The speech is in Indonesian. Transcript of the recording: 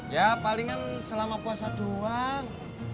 ya palingan selama puasa doang